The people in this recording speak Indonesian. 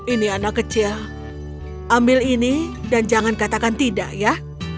ini anak kecil ambil ini dan jangan katakan tidak ya